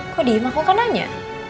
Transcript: kok diem aku kan nanya